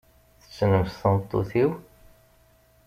Tessnemt tameṭṭut-iw?